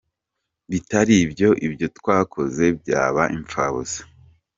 Bitari ibyo, ibyo twakoze byaba impfabusa.